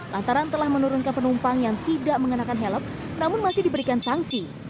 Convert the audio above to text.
lantaran telah menurunkan penumpang yang tidak mengenakan helm namun masih diberikan sanksi